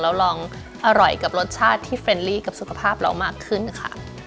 แล้วลองอร่อยกับรสชาติที่เฟรนลี่กับสุขภาพเรามากขึ้นค่ะ